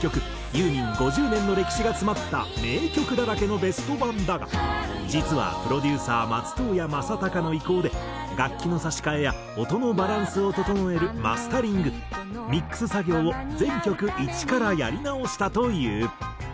ユーミン５０年の歴史が詰まった名曲だらけのベスト盤だが実はプロデューサー松任谷正隆の意向で楽器の差し替えや音のバランスを整えるマスタリングミックス作業を全曲一からやり直したという。